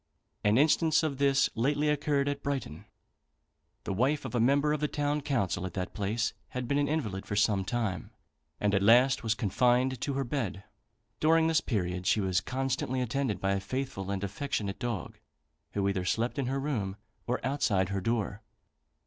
An instance of this lately occurred at Brighton. The wife of a member of the town council at that place had been an invalid for some time, and at last was confined to her bed. During this period she was constantly attended by a faithful and affectionate dog, who either slept in her room or outside her door.